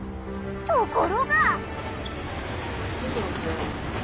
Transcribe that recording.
ところが！